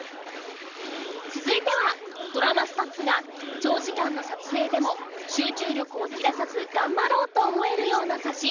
続いてはドラマスタッフが長時間の撮影でも集中力を切らさず頑張ろうと思えるような差し入れ